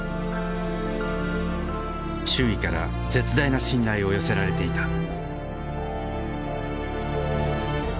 周囲から絶大な信頼を寄せられていた。